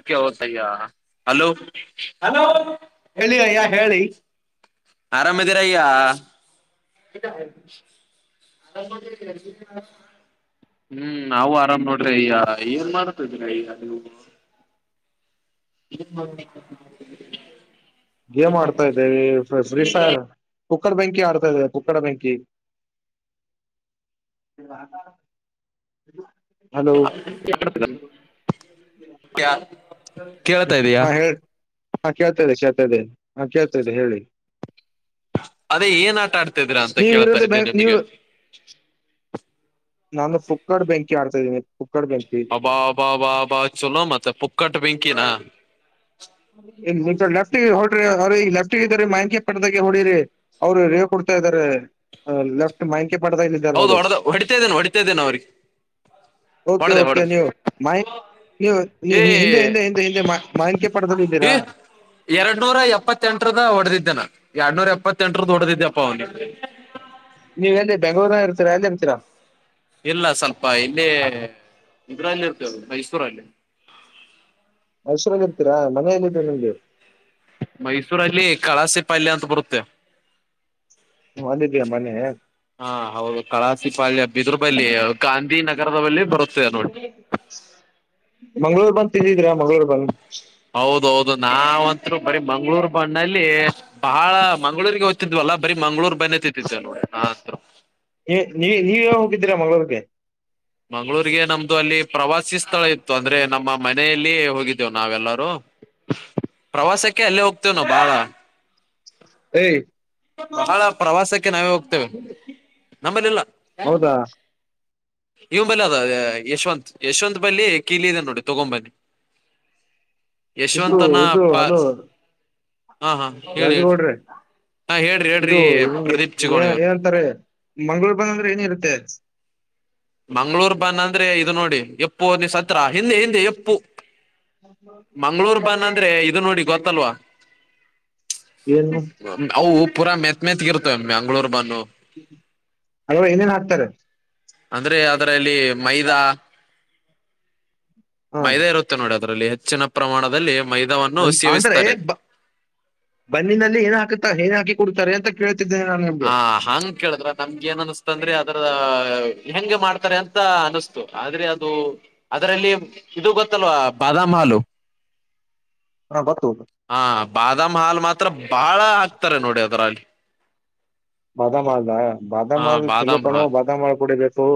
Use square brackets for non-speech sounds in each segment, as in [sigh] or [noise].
ಅ ಹತಯ್ಯ ಹಲೋ ಹೇಳಿ ಅಯ್ಯ ಹೇಳಿ ಆರಾಮ್ದೀರಾ ಅಯ್ಯ ಇ ಹ್ಮ್ ನಾವು ಆರಾಮ್ ನೋಡ್ರಿ ಈ ಏನ್ ಮಾಡತ ಇದೀರ ಈಗ ನೀವು ಹ್ಮ ಗೇಮ್ ಆಡ್ತಾ ಇದ್ದವಿ ಫ್ರೀ ಫೈರ್ ಕುಕ್ಕಡ್ ಬೆಂಕಿ ಆಡ್ತಾ ಇದೇವೆ ಕುಕ್ಕಡ ಬೆಂಕಿ ಹಲೋ ಮಾಡ ಹಾ ಹೇಳ ಹಾ ಕೇಳ್ತದೆ ಚೇಳ್ತದೆೇ ಹಾ ಕೇಳ್ತದೆ ಹೇಳಿ ಅದೇ ಏನ್ ಆಟ ಆಡ್ತಿದ್ರ ಅಂತ ನೀ ಕೇಳ್ತಾ ವಿರುೋ್ಧ ಇದ್ದೆ ನೀವು ನಿಮಗೆ ನಾನು ಪುಕ್ಕಡ್ ಬೆಂಕಿ ಆಡ್ತಾ ಇದೀನಿ ಪುಕ್ಕಡ್ ಬೆಂಕಿ ಬ ಬ ಬ ಬ ಚಲೋ ಮತ್ತೆ ಪುಕ್ಕಟ್ ಪಿಂಕಿಿನ ಇ ಲೆಫ್ಟಗೆ ಹೊಡ್ರಿ ಅವ್ರರಿ ಈ ಲೆಫ್ಟ್ಗೆ ಇದ್ರ ಮ್ಯಾನ್ಕಿ ಪಟ್ಟದಾಗೆ ಹೊೋಡಿರಿ ಅವರು ಹೇ ಕೊಡ್ತಾ ಇದ್ದಾರೆ ಲೆಫ್ಟ್ ಮಕೆ ಪಡದಾ ಇಲ್ಲಾರೆ ಹೌದು ನೋಡು ಹೊಡೆದ ಹೊಡಿತಾ ಇದ್ದೇನೆ ಹೊಡಿತಾ ಇದ್ದೇನೆ ಅವ್ರಿಗೆ ಓಕೆ ಹೊಡ್ದ ಓಕೆ ಹೊಡ್ದ ನೀವು ನೀವು ಹಿಂದೆ ಹಿಂದೆ ಹಿಂದೆ ಹಿಂದೆ ಮಾಕ ಪಡ ಹ ಎರಡ್ ನೂರ ಎಪ್ಪತ್ತ ಎಂಟರದ ಹೊಡೆದಿದ್ದನ ಎರಡ್ನೂರ ಎಪ್ಪತ್ತೆಂಟರದ ಹೊಡೆಡದಿದ್ದಪ್ಪ ಅವನು ನೀವ ಎಲ್ಲಿ ಬೆಂಗಳೂರನ ಇರ್ತರಾ ಎಲ್ಲಿ ಇರ್ತೀರಾ ಇಲ್ಲ ಸ್ವಲ್ಪ ಇಲ್ಲಿ ಇದರಲ್ಲಿ ಇರ್ತೇವೆ ಮೈಸೂರಲ್ಲಿ ಮೈಸೂರು ಅಲ್ಲಿ ಇರ್ತೀರಾ ಮನೆಯಲ್ಲ್ರ ನಿಮ್ಗೆ ಮೈಸೂರಲ್ಲಿ ಕಳಸಿ ಪಲ್ಯ ಅಂತ ಬರುತ್ತೆ ಒಂದಿದೆಯ ಮನೆ ಹಾ ಹೌದು ಕಳಾಸಿ ಪಾಳ್ಯ ಹಬ್ಬ ಇದ್ರ ಬಲ್ಲಿಿ ಗಾಂಧಿ ನಗರದಲೀ ಬರುತ್ತೇದೆ ನೋಡಿ ಮಂಗ್ಳೂರ್ ಬಂದ ತಿದ್ದಿದ್ರಾ ಮಂಗಗಳೂರ್ ಬಂದ ಹೌದೌದು ನಾವಂತರು ಬರೀ ಮಂಗ್ಳೂರ್ ಬಣ್ಣಲ್ಲಿ ಬಹಳ ಮಂಗಗಳೂರಿಗೆ ಹದ್ತಿದ್ವಲ್ಲ ಬರಿೀ ಮಂಗಗಳೂರ್ ಬನ್ನೇ ತತ್ತಿದ್ವ ನೋ. ನೀ ನೀ ನೀವೇ ಹೋಗಿದ್ದೀರಾ ಮಂಗಗಳಳೂರ್ಗೆ. ಮಂಗ್ಗಳೂರಿಗೆ ನಮ್ದು ಅಲ್ಲಿ ಪ್ರವಾಸಿ ಸ್ಥಳ ಇತ್ತು ಅಂದ್ರೆ ನಮ್ಮ ಮನೆಯಲ್ಲಿ ಹೋಗಿದ್ದೇವು ನಾವೆಲ್ಲಾರೂ. ಪ್ರವಾಸಕ್ಕೆ ಅಲ್ಲೇ ಹೋಗ್ತೇವ ನಾ ಬಾಳ. ಏ. ಬಹಳ ಪ್ರವಾಸಕ್ಕೆ ನಾವೇ ಹೋಗ್ತೇವೆ ನಮ್ಮಲ್ಲಿಲ್ಲ. ಹೌದಾ ಇವ್ನ ಬಲ್ಲಿ ಅದ ಯಶವಂತತ್ ಯಶವಂತ್ ಬಲ್ಲಿ ಕೀಲಿ ಇದೆ ನೋಡಿ ತಗೊಂಬನ್ನಿ. ಸಿದು ಯಶವಂತನ ಇದು ಹಲೋ ಪಾರ್ಕ್ ಹಾ ಹಾ ಹೇಳಿ ಹೇಳಿ ರಾಜಗೌಡ್ರೆ. ಹಾ ಹೇಳ್ರಿ ಹೇಳ್ರಿ ಇದುಗೆ ಪ್ರದೀಪ್ ಚಿಗೋಣಿ ಅವ್ರು ಏನಂತಾರೆ ಮಂಗಗಳೂರು ಬಂದ ಅಂದ್ರೆ ಏನಿರುತ್ತೆ. ಮಂಗ್ಳೂರ್ ಬನ್ನ ಅಂದ್ರೆ ಇದು ನೋಡಿ ಎಪ್ಪು ನೀ ಸತ್ರ ಹಿಂದೆ ಹಿಂದೆ ಎಪ್ಪು. ಮಂಗ್ಳೂರ್ ಬನ್ ಅಂದ್ರೆ ಇದು ನೋಡಿ ಗೊತ್ತಲ್ವಾ [inaudible] ಏನು [inaudible] ಅವು ಪೂರಾ ಮೆತ್ ಮೆತ್ಗ ಇರ್ತವೆ ಮಂಗ್ಳೂರ್ ಬನ್ನು ಅದರೊಳಗೆ ಏನೇನ್ ಹಾಕ್ತಾರೆ. ಅಂದ್ರೆ ಅದ್ರಲ್ಲಿ ಮೈದಾ. ಹ ಮೈದಾ ಇರುತ್ತೆ ನೋಡಿ ಅದ್ರಲ್ಲಿ ಹೆಚ್ಚಿನ ಪ್ರಮಾಣದಲ್ಲಿ ಮೈದಾವನ್ನು ಅಂದ್ರೆ ಸೇವಿಸ್ತಾರೆ. ಬನ್ನಿನಲ್ಲಿ ಏನ್ ಹಾಕ್ತಾರೆ ಏನ್ ಹಾಕಿ ಕೊಡ್ತಾರೆ ಅಂತ. ಕೇಳ್ತಿದ್ದೇನೆ ನಾನು. ನಿಮ್ಗೆ ಹ ಹಂಗ್ ಕೇಳಿದ್ರ ನಮ್ಗೆ ಏನ್ ಅನಸ್್ತ ಅಂದ್ರಿ ಅದ್ರ ಹೆಂಗೆ ಮಾಡ್ತಾರೆ ಅಂತ ಅನ್ಸ್ತ. ಆದ್ರೆ ಅದು ಅದರಲ್ಲಿ ಇದು ಗೊತ್ತಲ್ವಾ ಬಾದಾಮ್ ಹಾಲು. ಹ ಗೊತ್ತು. ಹಾ ಬಾದಾಮ್ ಹಾಲ್ ಮಾತ್ರ ಬಾಳ ಆಗ್ತಾರೆ ನೋಡಿ ಅದರ ಅಲ್ಲಿ. ಬಾದಾಮಲ್ದ ಹಾ ಬಾದಾಮಲ್ ಚಲೋ ಬಾದಾಮ್ ಕಣವು ಹಾಲ್ ಬಾದಾಮಲ್ ಕುೂಡಿಬೇಕೇಕು.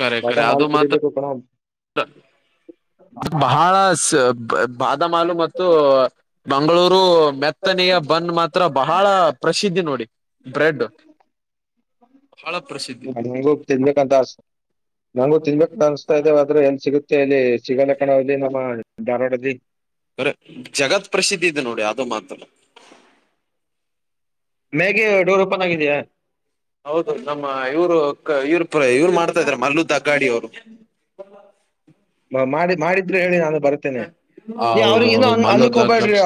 ಕರೆ ಕರೆ ಅದು ಮಾತ್ರ ಬಹಳ. ಬಾದಾಮಹಾಲು ಮತ್ತು. ಮಂಗಳೂರು ಮೆತ್ತನೆಯ ಬನ್ ಮಾತ್ರ ಬಹಳ ಪ್ರಸಿದ್ಧಿ ನೋಡಿ. ಬ್ರೆಡ್ ಬಹಳ ಪ್ರಸಿದ್ಧಿ. ಂತ ನಂಗು ತಿನ್ಬೇಕ ಅನ್ಸ್ತಾ ಇದ್ದೇವ ಆದ್ರೆ ಎಲ್ಲಿ ಸಿಗುತ್ತೆ ಇಲ್ಲಿ ಸಿಗಲ್ಲ ಕಣಾವಲ್ಲಿ ನಮ್ಮ. ಧಾರವಾಡ ಜಿ ಕರೆ ಜಗತ್ ಪ್ರಸಿದ್ಧಿ ಇದೆ ನೋಡಿ ಅದು ಮಾತ್ರ. ಮ್ಯಾಗಗೆ ಡೋರ್ ಓಪನ್ ಆಗಿದೆಯಾ. ಹೌದು ನಮ್ಮ ಇವ್ರು ಇವ್ರ ಇವ್ರು ಮಾಡ್ತಾ ಇದಾರೆ ಮಲ್ಲು ದಗಾಡಿ ಅವ್ರು. ಮಾಡಿ ಮಾಡಿದ್ರೆ ಹೇಳಿ ನಾನು ಬರ್. ತಿನಿ ನೀ ಹೌದು ಅವ್ರ ಏನೋ ಹೌದು ಮಲ್ಲು ಅಲ್ಲಕ್ ಹೋಗಬ್ಯಾಡ್ರಿ ದಗ್ಗಾಡಿ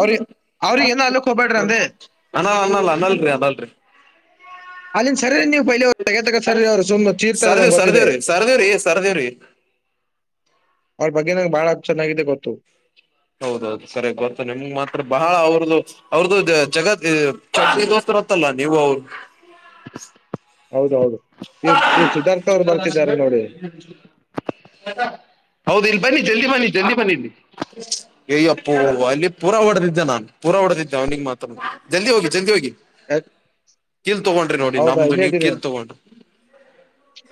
ಅವ್ರಿಗ ಅವ್ರಿಗ ಏನೋ ಅನಲಕ್ ಹೋಗಬ್ಯಾಡ್ರಿ ಅಂದೆ. ಅಣ್ಣಾ ಅನ್ನಲ್ಲ ಅನ್ನಲ್ರಿ ಅನಲ್ರೀ. ಅಲ್ಲಿಂದ ಸರೀ ನೀವು ಪೈಲೆ ಅವ ತಗತಗ ಸರರಿ ಅವರು ಸುಮ್ ಚೀರ್ತಾರೆ ನನಗೆ ಗೊತ್ತಿದೆ. ಸರ್ದೀವ್ರಿ ಸರ್ದೀವ್ರಿ. ಅವ್ರ ಬಗ್ಗೆ ನಂಗೆ ಬಾಳ ಚೆನ್ನಾಗಿದೆ ಗೊತ್ತು. ಹೌದೌದು ಸರಿ ಗೊತ್ತು ನಿಮ್ ಮಾತ್ರ ಬಹಳ ಅವ್ರದ್ದು. ಅವ್ರದ್ದು ಜಗತ್ ಚಡ್ಡಿ ದೋಸ್ತರ ಅತ್ತಲ್ಲ ನೀವು ಅವರು. ಹೌದ ಹೌದು ನಿಮ್ ಚಿಕ್ಕಪ್ಪನವರು ಅವ್ರು ಬರ್ತಿದ್ದಾರೆ ನೋಡಿ. ಸಂಜ [inaudible] ಹೌದ ಇಲ್ಲಿ ಬನ್ನಿ ಜಲ್ದಿ ಬನ್ನಿ ಜಲ್ದಿ ಬನ್ನಿ. ಅಯ್ಯಪ್ಪ ಅಲ್ಲಿ ಪೂರಾ ಹೊಡದಿದ್ದೆ ನಾನ್ ಪೂರಾ ಹೊಡದಿದ್ದೆ ಅವನಿಿಗೆ ಮಾತ್ರ ಜಲ್ದಿ ಹೋಗಿ ಜಲ್ದಿ ಹೋಗಿ. ಯಾಕ್- ಕೀಲ್ ತಗೊಂಡ್ರಿ ನೋಡಿ ನಮ್ದು ನೀವ್ ಕೀಲ್ ತಗೊಂಡ್ರಿ.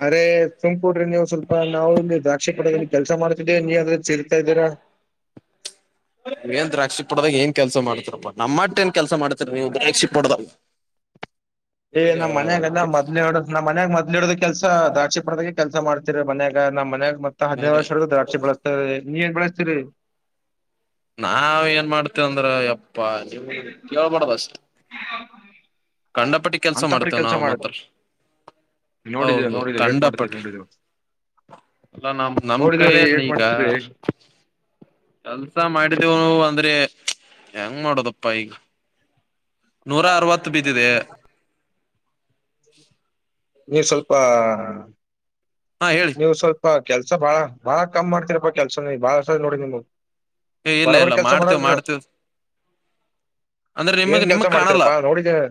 ಅರೆೇ ಸುಮಕೂ್ರಿ ನೀವು ಸ್ವಲ್ಪ ನಾವು ಇಲ್ಲಿ ದ್ರಾಕ್ಷಿ ಪಡೆ ಕೆಲ್ಸ ಮಾಡ. ನೀ ಅದ್ರೆ ಚಲ್ತಾ ಇದೀರಾ? ಏನ್ ದ್ರಾಕ್ಷಿ ಪಡದಾಗ ಏನ್ ಕೆಲ್ಸ ಮಾಡತರಪ್ಪಾ ನಮ್ಮ ಮಟ್ಟ ಏನ್ ಕೆಲಸ ಮಾಡ ರುದ್ರಾಕ್ಷಿ ಪಡೆದ ಎ ನಮ್ ಮನ್ಯಾಗಲ್ಲ ಮೊದಲಿ ಇಡೋನ ಮನ್ಯಾಗ ಮದ್ಲ ಇಡೋ ಕೆಲ್ಸ ದ್ರಾಕ್ಷಿ ಪಡದೆ ಕೆಲಸ ಮಾಡ್ತಿರಿ ಮನ್ಯಾಗ ನಮ್ಮ ಮನ್ಯಾಗ ಮತ್ತ ಹದಿನೈದು ವರ್ಷವರ್ಗ ದಾಕ್ಷಿ ಬೆಳಸ್ತರಿ ನೀ ಏನು ಬೆಳಸ್ತೀರಿ ನಾವ ಏನ್ ಮಾಡ್ತೇವಂದ್ರ ಯಪ್ಪಾ ಕೇಳಬಾರದು ಅಷ್ಟೇ ಹಾ ಹ [inaudible] ಕಂಡಪಟ್ಟಿ ಕೆಲ್ಸ ಮಾಡ್ತೇವ ನಾವು ಮಾತ್ರ. ನೋಡಿದೇವೆ ಹೌದು ನೋಡಿದೇವೆ ಏಟ್ ಮಾಡ್ತೀರಿ ಖಂಡಪಟ್ಟ ನೋಡಿದೇವೆ ಅಲ್ಲ ನಮ್ ನಮ ನೋಡಿದೇವ್ರೀ ಕಡೆಯೇನ್ ಏಟ್ ಈಗ ಮಾಡ್ತೀರಿ ಕೆಲ್ಸ ಮಾಡಿದ್ದೇವು ಅಂದ್ರೆ ಹೆಂಗ್ ಮಾಡೋದಪ್ಪಾ ಈಗ ನೂರ ಅರವತ್ತು ಬಿದ್ದಿದೆ. ನೀ ಸ್ವಲ್ಪ ಹಾ ಹೇಳಿ. ನೀವು ಸ್ವಲ್ಪ ಕೆಲ್ಸ ಬಾಳ ಬಾಳ ಕಮ್ ಮಾಡ್ತೀರಪ್ಪಾ ಕೆಲ್ಸ ಬಾಳಸ ನೋಡಿ ನಿಮ್ವು ಏ ಇಲ್ಲ ಬಡಾ ಬಡಾ ಇಲ್ಲ ಕೆಲಸ ಮಾಡಲ್ ಮಾಡ್ತೇವ್ ರೀ ನಾವು ಮಾಡ್ತೇವ್ ಅಂದ್ರೆ ಏನ್ ನಿಮಗ್ ಕೆಲ್ಸ ನಿಮಗ್ ಕಾಣಲ್ಲ ಮಾಡ್ತೀರಪ್ಪಾ ನೋಡಿದ್ದೇನೆ.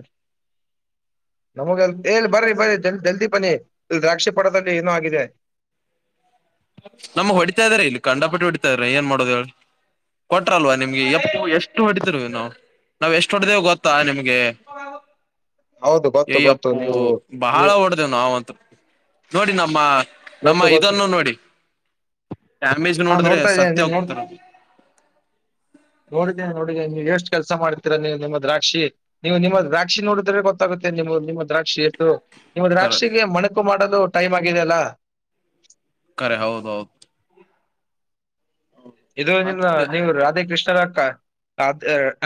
ನಮಗ ಎ ಬರಿ ಬರೀ ಜಲ್ ಜಲ್ದಿ ಪನ್ನಿ ದ್ರಾಕ್ಷಿ ಪಡದಲ್ಲಿ ಏನೂ ಆಗಿದೆ ನಮ್ಗೆ ಹೊಡಿತಾ ಇದ್ರ ಇಲ್ಲಿ ಕಂಡಪಟ್ಟು ಹೊಡಿತಾ ಇದ್ರ ಏನ್ ಮಾಡೋದುಹೇಳಿ ಕೊಟ್ರಲ್ವಾ ನಿಮ್ಗೆ ಎ ಎಷ್ಟು ಹೊಟ್ಟಿದರು ನಾವು ನಾವ್ ಎಷ್ಟು ಹೊಡೆದೇವು ಗೊತ್ತಾ ನಿಮ್ಗೆ ಹೌದು ಹೇ ಗೊತ್ತು ಗೊತ್ತು ಅಪ್ಪು ನೀವು ಬಹಳ ಒಡ್ ನವುಂತ ನೋಡಿ ನಮ್ಮ ನಮ್ಮ ಗೊತ್ತು ಗೊತ್ತು ಇದನ್ನು ನೋಡಿ ಡ್ಯಾಮೇಜ್ ಹಾ ನೋಡಿದ್ರೆ ನೋಡ್ತಾ ಇದ್ದೇನೆ ಸತ್ಯ ನೀನ್ ನೋಡ್ ಹೋಗ್ತಾರ ನೋಡಿದೇನೆ ನೋಡಿದಿನಿ ನೀವು್ಎಷ್ಟು ಕೆಲಸ ಮಾಡ್ತೀರಾ ನೀವು ನಿಮ್ಮ ದ್ರಾಕ್ಷಿ ನೀವು ನಿಮ್ಮ ದ್ರಾಕ್ಷಿ ನೋಡಿದ್ರೆ ಗೊತ್ತ ಗೊತ್ತಾಗುತ್ತೆ ನಿ ನಿಮ್ಮ ದ್ರಾಕ್ಷಿ ಎಷ್ಟು ನಿಮ್ಮ ಕರೆ ದ್ರಾಕ್ಷಿಗೆ ಮಣಕು ಮಾಡಲು ಟೈಮ್ ಆಗಿದೆ ಅಲ್ಲ ಕರೆ ಹೌದೌದು ಇದು ನಿಮ್ದು ಮತ್ತೆ ನೀವು ರಾಧ ಕೃಷ್ಣರ ಅಕ್ಕ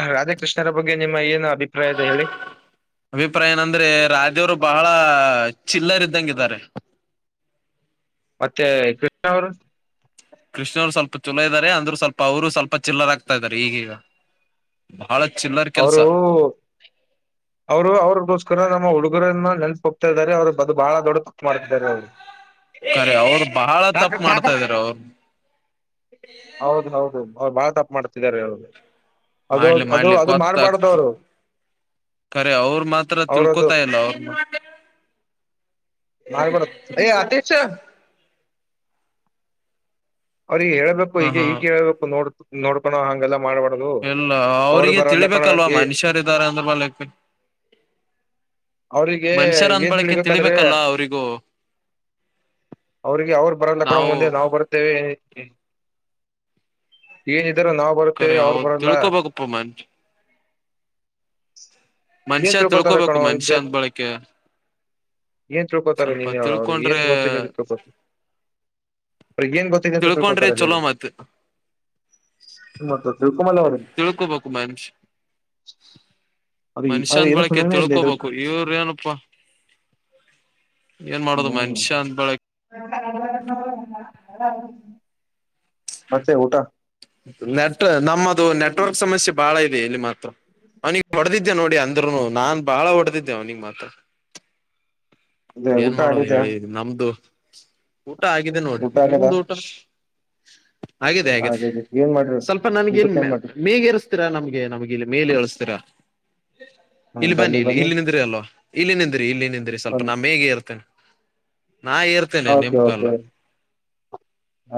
ಅ ರಾಧಾಕೃಷ್ಣರ ಬಗ್ಗೆ ನಿಮ್ಮ ಏನು ಅಭಿಪ್ರಾಯದೆ ಹೇಳಿ? ಅಭಿಪ್ರಾಯ ಏನಂದ್ರೆ ರಾಧೇವರು ಬಹಳ ಚಿಲ್ಲರ್ ಇದ್ದಂಗಿದ್ದಾರೆ ಮತ್ತೆ ಕೃಷ್ಣ ಅವ್ರು ಕೃಷ್ಣ ಅವ್ರು ಸ್ವಲ್ಪ ಚಲೋ ಇದಾರೆ ಅಂದ್ರರು ಸ್ವಲ್ಪ ಅವರು ಸ್ವಲ್ಪ ಚಿಲ್ಲರಾಗಗ್ತಾ ಇದಾರೆ ಈಗೀಗ ಬಹಳ ಚಿಲ್ಲರ್ ಕೆಲ್ಸ. ಅವ್ರು ಅವ್ರಗೋಸ್ಕರ ನಮ್ಮ ಹುಡುಗರನ್ನ ನೆನಪ ಹೋಗ್ತಾ ಇದಾರೆ ಅವರು ಬದು ಬಾಳ ದೊಡ್ಡ ತಪ್ಪು ಮಾಡ್ ಇದಿದ್ದಾರೆ ಅವರು ಕರಿ ಅವರು ಬಹಳ ತಪ್ಪು ಮಾಡ್ತಾ ಅವರು ಇದಾರೆ ಅವರು ಹೌದು ಹೌದು ಅವರು ಬಾಳ ತಪ್ಪ ಮಾಡ್ತಿದ್ದಾರೆ ಅವರು ಅದು ಅದು ಅದು ಮಾಡ್ಬಾರ್ದವ್ರು. ಕರೆ ಅವರು ಮಾತ್ರ ಅವ್ರದ್ದು ತಿಳ್ಕೋತಾ ಇಲ್ಲ ಅವ್ರನು ಮಾರಗಡ ಏ ಆತಿಶ್ [unintelligible] ಅವ್ರಿಗೆ ಹೇಳ್ಬೇಕು ಹ ಈಗ ಹಾ ಈಗ ಹೇಳ್ಬೇಕು ನೋಡ್ ನೋಡ್ಕೋ ಹಂಗೆಲ್ಲ ಮಾಡಬ ಎಲ್ಲ ಅವ್ರಿಗೆ ತಿಳಿಬೇಕಲ್ವಾ ಈ ಮನುಷ್ಯರ್ ಇದಾರೆ ಅಂದ್ರ ಬಲ್ಕ್ ಅವ್ರಿಗೆ ಏನ್ ತಿಳಬೇಕಾದ್ರೆ. ತಿಳಿಬೇಕಲ್ಲ ಅವ್ರಿಗೂ ಅವರಿಗೆ ಅವ್ರು ಬರಲ್ಲ ಕೊಡೋ ಮುಂದೆ ನಾವು ಬರುತ್ತೇವೆ ಏನಿದ್ದರೂ ನಾವ್ ಬರುತ್ತೇ ಖರೆ ಅವರು ಹೌದ್ ಬರಲ್ಲ ತಿಳ್ಕೊಬೇಕಪ್ಪ ಮನ್ ಏನ್ ಮನುಷ್ಯ ತ ಪತಾರೆಕ್ಕಣ ತಿಳ್ಕೋಬೇಕು ಮನುಷ್ಯ [unintelligible] ಅಂದ ಬಳಕೆ ಏನ್ ತಳ್ಕೋತಾರೆ ಸ್ವಲ್ಪ ನೀನ್ ಹೇಳ ಅವ್ರಿಗೆ ಏನ್ ತಿಳ್ಕೊಂಡ್ರೆ ಗೊತ್ತಿಲ್ಲ ಅಂತ ತೊಳ್ಕೋತ ಅವ್ರಗೇನ್ ಗೊತ್ತಿದೆ ಅಂತ ತಿಳ್ಕೊಂಡ್ರೆ ತಳ್ಕೋತಾರ ಚಲೋ ಹೇಳು ಮತ್ ಮತ್ತ ತಿಳ್ಕುಮಾನವಾ ತಿಳ್ಕುಬೇಕಕು ಮಂಚ್ ಅದು ಅದು ಮನ್ಷ್ಯನ್ ಇದಕ್ ಬಳಕೆ ಹುನೇ ಇಲ್ಲ ಇದ್ರ ತಿಳ್ಕೋಬೇಕು ಇವ್ರ ಏನಪ್ಪಾ ಏನ್ ಮಾಡೋದು ಮನುಷ್ಯ ಅಂದ ಬಳಕೆ ಬ ಮತ್ತೆ ಊಟಾ ನೆಟ್ ನಮ್ಮದು ನೆಟ್ವರ್ಕ್ ಸಮಸ್ಯೆ ಬಾಳ ಇದೆ ಇಲ್ಲಿ ಮಾತ್ರ ಅವನಿಿಗೆ ಹೊಡೆದಿದ್ದೆ ನೋಡಿ ಅಂದ್ರುನು ನಾನ್ ಬಾಳ ಹೊಡೆದಿದ್ದೆ ಅವ್ನಿಿಗೆ ಮಾತ್ರ ಅದೇ ಏನ್ ಊಟ ಮಾಡೋದು ಆಗಿದೆ ಹೇಳಿ ನಮ್ದು ಊಟ ಆಗಿದೆ ಊಟ ನೋಡಿ್ರ ಆಗದ ನಿಮ್ದ ಊಟ ಹಾಗದೆ ಹಾಗೇಿದೆ ಹಾಗಾಗಿ ಏನ್ ಮಾಡ್ರಿ ಸ್ವಲ್ಪ ನನ್ಗನ್ ಊಟಕ್ಕೆ ಏನ್ ಮಾಡ್ರಿ ಮೇಗರ್ ೀರಾ ನಮ್ಗೆ ನಮ್ಗೆ ಇಲ್ಲಿ ಮೇಲೆ ಎಳಸ್ತೀರಾ ಇಲ್ಲಿ ಬನ್ನಿ ಇಲ್ಲಿ ಇಲ್ಲಿ ನಿಂದ್ರಿ ಅಲ್ೋ ಇಲ್ಲಿ ನಿಂದ್ರಿ ಇಲ್ಲಿ ನಿಂದ್ರಿ ಸ್ವಲ್ಪ ಬನ್ನಿ. ಇರ್ತೇನೆ ನಾ ಇರ್ ೇ ಓಕೆ ನಿಮಗಲ್ಲ ಓಕೆ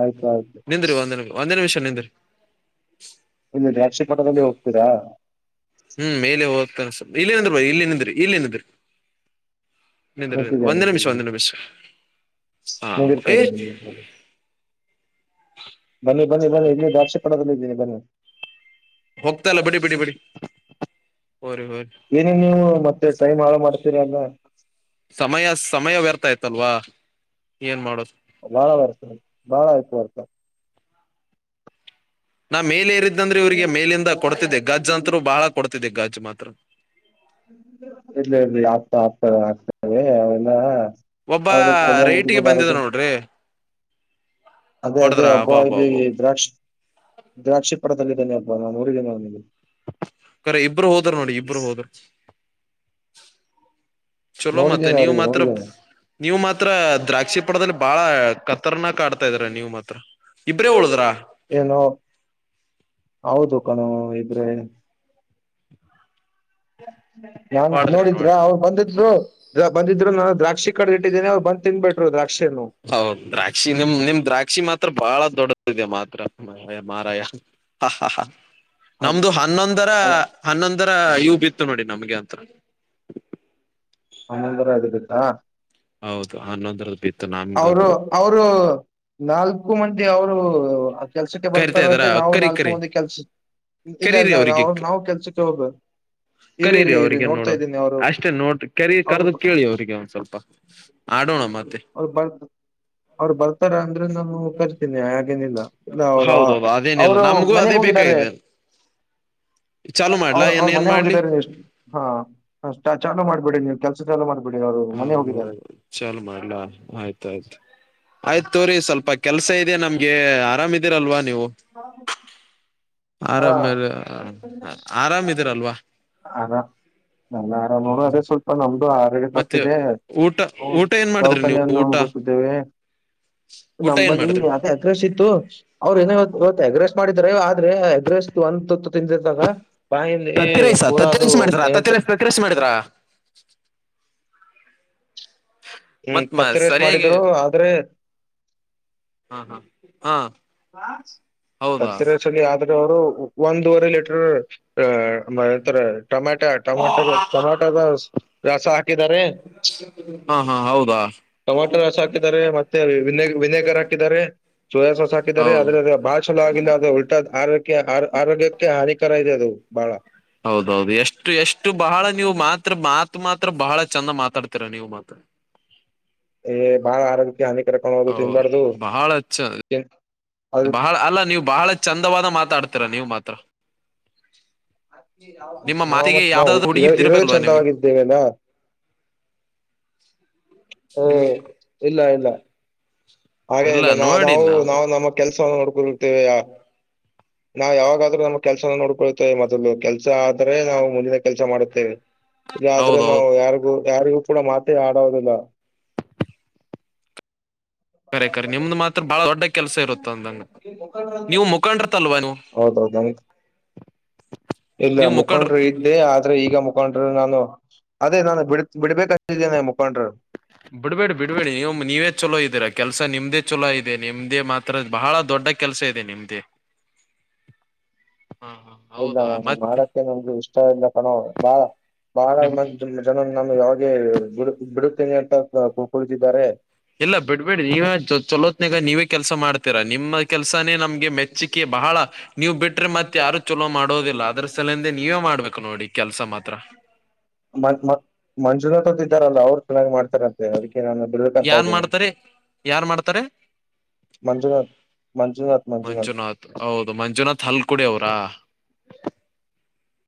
ಆಯ್ತು ಆಯ್ತು ನಿಂದ್ರಿ ಒಂದೇ ನಿಮ ಒಂದೇ ನಿಮಿಷ ನಿಂದ್ರಿ ಇನ್ನ ರಕ್ಷಿಪಟದಲ್ಲಿ ಹೋಗ್ತೀರಾ ಹ್ಮ್ ಮೇಲೆ ಹೋಗದ್ತ ಇಲ್ಲಿಏನಿದ್ರ ಬ ಇಲ್ಲಿನಿದ್ರಿ ಇಲ್ಲಿಏನಿದ್ರಿ ನಿ ನಿ ನಿಂತಿದೆ ಒಂದು ನಿಮಿಷ ನಿಂತಿದೆ ಒಂದು ನಿಮಿಷ ಹ ಏ ನಿಂದಿರ್ತಾರೆ ಬನ್ನಿ ಬನ್ನಿ ಬನ್ನಿ ಇಲ್ಲಿ ದಾಕ್ಷಿ ಪಣದಲ್ಲಿ ಇದ್ದನಿ ಬನ್ನಿ ಹೋಗ್ತಲ್ಲ ಬಿಡಿ ಬಿಡಿ ಬಿಡಿ ಹೋರಿ ಹೋರಿ ಏನೇ ನೀವು ಮತ್ತೆ ಸೈಮ್ ಹಾಳ ಮಾಡ್ತೀರ ಅಲ್ಲ ಸಮಯ ಸಮಯ ವ್ಯರ್ಥ ಆಯತಲ್ವಾ ಏನ್ ಮಾಡೋದು ಬಾಳ ವರ್ತ ಬಾಳ ಆಯ್ತು ಬರ್ತರ್ ನಾ ಮೇಲೆೇರಿದ್ದಂದ್ರೆ ಇವ್ರರಿಗೆ ಮೇಲಿಂದ ಕೊಡ್ತಿದ್ದೆ ಗಜ್ಜ ಅಂತರು ಬಹಳ ಕೊಡ್ತಿದ್ದೆ ಗಜ್ಜ್ ಮಾತ್ರ ಇರ್ಲ್ಲ ಇರ್ಲಿ ಆಗ್ತಾ ಆಗ್ತದೆ ಆಗ್ತದೆ ಅವೆಲ್ಲ ಒಬ್ಬ ಹೌದ ಕಲ್ಯಾಣ ರೈಟಿಗೆ ಬಂದಿದ ತಗೊಬಾರದು ನೋಡ್ರಿ ಅದೇ ಅದೇ ಹೊಡದ್ರ ಹಬ್ಬ ಅಬ್ಬಾ ಅಬ್ಬಾ ಅಬ್ಬಾ ಇದ್ದೀವಿ ದ್ರಾಕ್ಷಿ ದ್ರಾಕ್ಷಿಪರದದಲ್ಲಿ ಇದಿದ್ದೇೆ ಹಬ್ಬ ನಾೂರು ದಿನ ನನಗೆ [unintelligible] ಕರೆ ಇಬ್ರು ಹೋದರು ನೋಡಿ ಇಬ್ಬರು ಹೋದ್ರ ಚಲೋ ಮತ್ತೆ ನೋಡಿದ್ದೇನೆ ನೀವು ಅವರಿಗೆ ಮಾತ್ರ ನೋಡಿದ್ದೇನೆ ನೀವು್ ಮಾತ್ರ ದ್ರಾಕ್ಷಿ ಪಟದಲ್ಲಿ ಬಾಳ ಕತ್ತರ್ನ ಕಡ್ತಾ ಇದ್ರ ನೀವು್ ಮಾತ್ರ ಇಬ್ರೇ ಉಳದ್ರಾ ಏನೋ ಹೌದು ಕಣೋ ಇದ್ರೆ ಯನ್ ಮಾಡಿದ್ರಿ ನೋಡಿದ್ರ ನೋಡಿ ಅವ್ರು ಬಂದಿದ್ರು ಬಂದಿದ್ರು ನಾನು ದ್ರಾಕ್ಷಿ ಕಡೆ ಇಟ್ಟಿದ್ದೀೇನೆ ಅವರು ಬಂದ್ ತಿನ್ಬ ಬಿಟ್ರು ದ್ರಾಕ್ಷಿಯನ್ನು ಹೌದು ದ್ರಾಕ್ಷಿ ನಿಮ ನಿಮ್ ದ್ರಾಕ್ಷಿ ಮಾತ್ರ ಬಹಳ ದೊಡ್ಡದಿದೆ ಮಾತ್ರ ಮ ಮಾರಾಯ ಹಾ ಹಾ ಹಾ ನಮ್ದು ಹನ್ನೊಂದರ ಅದು ಹನ್ನೊಂದರ ಇವು ಬಿತ್ತು ನೋಡಿ ನಮ್ಗೆ ಅಂತ ಹಂದರ ಆಗಿರುತ್ತಾ ಹೌದು ಹನ್ನೊಂದ್ರದ ಬಿ ಅವರು ಅವರು ನಾಲ್ಕು ಮಂದಿ ಅವ್ರು ಆ ಕೆಲ್ಸಕ್ಕೆ ಕರಿತಾ ಇದಾರ ಬರ್ತಾರತ್ತೆ ನಾವು ಕರಿ ನಾಲ್ಕು ಕರಿ ಮಂದಿ ಕೆಲ್ಸ ಇಲ್ಲ ಕರೀರಿ ಇಲ್ಲ ನಾವು ನಾವವು ಕೆಲ್ಸಕ್ಕೆ ಹೋಗ್ಬೇಕು ಕರಿರಿ ಅವ್ರಿಗೆ ನೋಡೋ ಅಷ್ಟೇ ನೋಡ್ ಕರಿ ಅವರು ಕರೆದು ಕೇಳಿ ಅವ್ರಿಗೆ ಒಂದ್ ಸ್ವಲ್ಪ ಆಡೋಣ ಮತ್ತೆ ಬರ್ತ ಬರ್ ತ್ತರ ಅಂದ್ರೆ ನಾನು ಕರಿತೀನಿ ಹಾಗೇನಿಲ್ಲ ಇಲ್ಲ ಅವರು ಹೌದೌದು ಅದೇನಿಲ್ಲ ಅವರು ನಮಗೂ ಅದೇ ಮನೆಗ್ ಹೋಗಿದ್ದಾರೆ ಬೇಕಾಗಿದೆ [unintelligible] ಚಾಲು ಮಾಡ್ಲಾ ಅವ್ರ ಏನ್ ಅವ್ರ ಏನ್ ಮನೆ ಮಾಡ್ಲಿ ಹೋಗಿದ್ದಾರೆ ನೀವು ಹಾ ಚಾಲೂ ಮಾಡ್ಬೇಡಿ ನೀವು ಕೆಲ್ [unintelligible] ಮಾಡಬಿಡಿ ಅವರು ಮನೆ ಹೌದೌದು ಹೋಗಿದ್ದಾರೆ ಚಾಲು ಮಾಡ್ ಅಲ್ಲ ಆಯ್ತ್ ಆಯ್ತು ಆಯ್ತ್ ತೋರಿ ಸ್ವಲ್ಪ ಕೆಲ್ಸ ಇದೆ ನಮ್ಗೆ ಆರಾಮಿ ಇದಿರಲ್ವಾ ನೀವು? ಹಾ ಹ ಹಾ ಆರಾಮ [unintelligible] ಆರಾಮಿದೀರಲ್ವಾ ಅದಾ ನನ್ನ ಆರಾಮು ಅದೇ ಸ್ವಲ್ಪ ನಮ್ದು ಆ [unintelligible] ಮತ್ತೆ ತಪ್ಪಿದೆ ಊಟ ಊಟ [unintelligible] ಏನ್ ಮಾಡಿದ್ರಿ ನೀವು ದೌಖಾನಿಯನ್ನು ಊಟ ಹೊಗುತಿದ್ದೇವೆ. ಊಟ ಏನ್ ಮಾಡಿದ್ರಿ [unintelligible] ಅದೆ ಅಗ್ರೆಸ್ಟ ಇತ್ತು ಅವ್ರ [unintelligible] ಇವತ್ ಅಗ್ರೆಸ್ಟ ಮಾಡಿದ್ರ ಆದ್ರೆ ಅಗ್ರೆಸ್ಟ ಒಂದ್ ತುತ್ತು ತಿಂದಿದಾಗ ಬಾಯಲ್ಲಿ ಪೂರಾ ಅದು ಏನಂತರೆ? [unintelligible] ಮಾಡಿದ್ರಾ? ಹ್ಮ ಮತ್ ಮ ಪತ್ತ ರೇಸ್ ಸರಿಯಾಗಿ ಮಾಡಿದ್ರು ಆದ್ರೆ? ಹಾ ಹಾ ಹಾ ಹೌದಾ ಪತ್ತ ರೆಸಲಿ ಆದ್ರೆ ಅವರು ಒಂದೂವರೆ ಲೀಟರ್ [unintelligible] ಟಮ್ಯಾಟಾ ಟೊಮೊಟಗಳ್ ಟೊಮೊಟದ ರಸ ಹಾಕಿದಿದಾರೆ. ಹಾ ಹಾ ಹೌದಾ? ಟಮೊಟೊ ರಸ ಹಾಕಿದ್ದಾರೆ ಮತ್ತೆ ವಿನೇಗರ್ ಹಾಕಿದ್ದಾರೆ ಸೋಯ ಸಾಸ್ ಹಾಕ್ ದಾರೆ ಹೌದು ಆದ್ರೆ ಬಾಳ್ ಚಲೋ ಆಗಿಲ್ಲ ಅದು ಉಲ್ಟಾ ಆರೋಗ್ಯ ಆರೋಗ್ಯಕ್ಕೆ ಹಾನಿಕರ ಇದೆ ಅದು ಬಹಳ. ಹೌದೌದು ಎಷ್ಟು ಎಷ್ಟು ಬಹಳ ನೀವು ಮಾತ್ರ ಮಾತ್ ಮಾತ್ರ ಬಹಳ ಚಂದ ಮಾತಾಡ್ತೀರ ನೀವು ಮಾತ್ರ. ಏ ಬಾಳ ಆರೋಗ್ಯಕ್ಕೆ ಹಾನಿಕರ ಕಾಣೋದು ಹೌ ತಿನ್ಬಾರ್ದು ಬಹಳ ಚ ತಿನ್ ಅ ಬಹಳ ಅಲ್ಲ ನೀವ್ ಬಹಳ ಚಂದವಾದ ಮಾತಾಡ್ತೀರ ನೀವ್ ಮಾತ್ರ. ನಿಮ್ಮ ನಾವು ಮಾತಿಗೆ ಮತ್ ನಾವು ಯಾವ್ದಾದ್ರು ಇರೋದೇ ಹುಡುಗಿದ್ದಿರ್ಬೇಕಲ್ವಾ ನಿಮ್ಗೆ ಚಂದವಾಗಿದ್ದೇವೆಲ್ಲ. ಹ ನಿಮ್ಗೆ ಇಲ್ಲ ಇಲ್ಲ ಹಾಗೇ ಇಲ್ಲ ನಾ ನಾವು ನಾವು [unintelligible] ಕೆಲಸವನ್ನು [unintelligible] ನಾವ್ ಯಾವಾಗಾದ್ರೂ [unintelligible] ಕೆಲ್ಸವನ ನೋಡ್ಕೊಳ್ತೇವೆ ಮೊದಲು ಕೆಲ್ಸ ಆದ್ರೆ ನಾವು ಮುಂದಿನ ಕೆಲ್ಸ ಮಾಡುತ್ತೇವೆ. ಇಲ್ಲ ಆದ್ರೆ ನಾವು ಹೌದೌದು ಯಾರಿಗೂ ಯಾರಿಗೂ ಕೂಡ ಮಾತೆ ಆಡೋದಿಲ್ಲ. ಕರೆ ಕರೆ ನಿಮ್ದು ಮಾತ್ರ ಭಾಳ ದೊಡ್ಡ ಕೆಲಸ ಇರುತ್ತೆ ಅಂದಂಗ ನೀವು ಮುಖಂಡರತಲ್ವಾ ನೀವು? ಹೌದೌದಯತ್ ಇಲ್ಲ ನೀವು ಮುಖಂಡ್ರ ಮುಖಂಡ್ರಿ [unintelligible] ಆದ್ರೆ ಈಗ ಮುಖಂಡರು ನಾನು ಅದೇ ನಾನು ಬಿಡ್ ಬಿಡ್ಬೇಕಂತಿದ್ದೇನೆ ಮುಖಂಡರು. ಬಿಡ್ಬೇಡಿ ಬಿಡ್ಬೇಡಿ ನೀವು ನೀವೇ ಚಲೋ ಇದೀರಾ ಕೆಲ್ಸ ನಿಮ್ದೇ ಚಲೋ ಇದೆ ನಿಮ್ದೇ ಮಾತ್ [unintelligible] ಬಹಳ ದೊಡ್ಡ ಕೆಲಸ ಇದೆ ನಿಮ್ದೇ. ಹ ಹ ಹೌದಾ [unintelligible] ಮಾಡಕ್ಕೆ ನಿಮ್ಗೆ ಇಷ್ಟ ಇಲ್ಲ ತಾನೇ [unintelligible] [unintelligible] ನಾನು ಯಾವಾಗ ಬಿಡುತ್ ಬಿಡುತ್ತಿನಿ ಅಂತ ಕುಳಿತಿದ್ದಾರೆ. ಇಲ್ಲ ಬಿಡ್ಬೇಡಿ ನೀವ ಚಲೋತ್ನಾಗ ನೀವೇ ಕೆಲಸ ಮಾಡ್ತೀರಾ ನಿಮ್ಮ ಕೆಲ್ಸಾನೇ ನಮ್ಗೆ ಮೆಚ್ ಚ್ಚಿಕೆ ಬಹಳ. ನೀವ್ ಬಿಟ್ರೆ ಮತ್ ಯಾರು ಚಲೋ ಮಾಡೋದಿಲ್ಲ ಅದ್ರ ಸಲಿಂದೆ ನೀವೇ ಮಾಡ್ಬೇಕು ನೋಡಿ ಕೆಲ್ಸ ಮಾತ್ರ. [unintelligible] ಮಂಜುನಾಥ್ ಅಂತ ಇದಾರಲ್ಲ ಅವ್ರು ಚೆನ್ನಾಗಿ ಮಾಡ್ತಾರಂತೆ ಅದಕ್ಕೆ ನನ್ನ ಬಿಡ್ ಯಾರ್ ಮಾಡ್ತಾರೆ ಯಾರ್ ಮಾಡ್ತಾರೆ? ಮಂಜುನಾಥ್ ಮಂಜುನಾಥ್ ಮಂಜುನಾಥ್ ಹೌದು ಮಂಜುನಾಥ್ ಹಲ್ಕುಡಿ ಅವ್ರಾ?